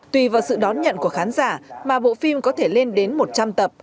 tùy vào sự đón nhận của khán giả mà bộ phim có thể lên đến một trăm linh tập